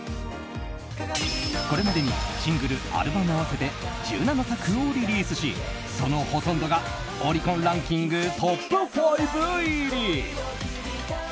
これまでにシングル・アルバム合わせて１７作をリリースしそのほとんどがオリコンランキングトップ５入り。